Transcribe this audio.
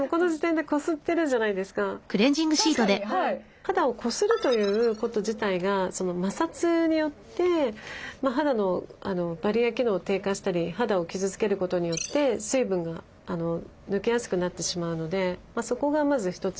肌をこするということ自体が摩擦によって肌のバリア機能を低下したり肌を傷つけることによって水分が抜けやすくなってしまうのでそこがまず一つ